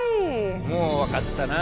もう分かったな？